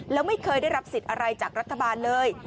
แล้วไม่เคยได้รับสิทธิ์อะไรจากรัฐบาลเลย